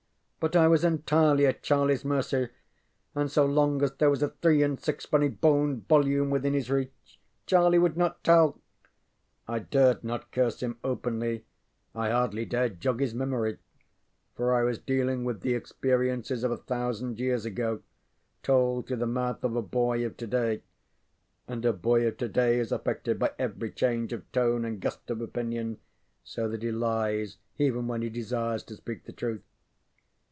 But I was entirely at CharlieŌĆÖs mercy, and so long as there was a three and six penny Bohn volume within his reach Charlie would not tell. I dared not curse him openly; I hardly dared jog his memory, for I was dealing with the experiences of a thousand years ago, told through the mouth of a boy of to day; and a boy of to day is affected by every change of tone and gust of opinion, so that he lies even when he desires to speak the truth.